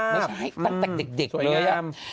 ไม่ใช่ตั้งแต่เด็กเลย